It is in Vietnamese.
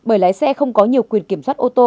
bởi lái xe không có nhiều quyền kiểm soát ô tô